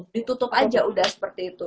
ditutup aja udah seperti itu